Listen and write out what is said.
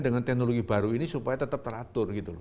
dengan teknologi baru ini supaya tetap teratur